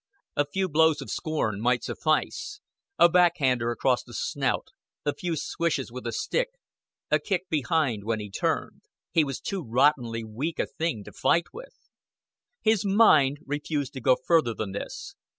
A few blows of scorn might suffice a backhander across the snout, a few swishes with a stick, a kick behind when he turned. He was too rottenly weak a thing to fight with. His mind refused to go further than this.